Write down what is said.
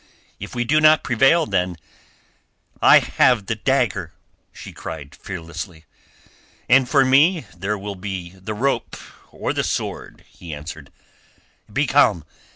If we do not prevail, then—" "I have the dagger," she cried fearlessly. "And for me there will be the rope or the sword," he answered. "Be calm!